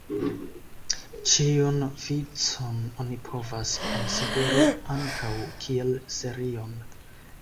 Ĉiun vicon oni povas konsideri ankaŭ kiel serion.